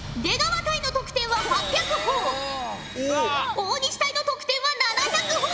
大西隊の得点は７００ほぉ。